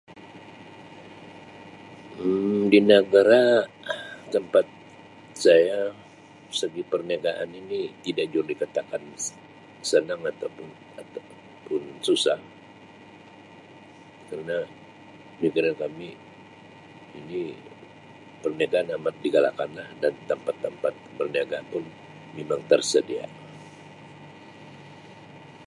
Um Di negara tempat saya segi perniagaan ini tidak juga dikatakan senang atau pun atau pun susah kerna negara kami ni perniagaan amat digalakkan lah, tempat-tempat berniaga pun memang tersedia